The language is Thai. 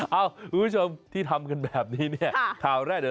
เอ้าผู้ชมที่ทำกันแบบนี้เนี่ย